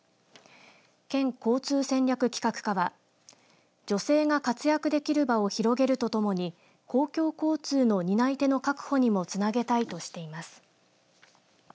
県交通戦略企画課は女性が活躍できる場を広げるとともに公共交通の担い手の確保にもつなげたいとしています。